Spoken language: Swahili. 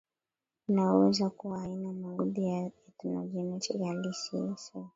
inaweza kuwa haina maudhui ya ethnogenetic halisi S A